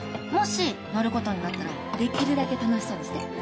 もし乗ることになったらできるだけ楽しそうにして。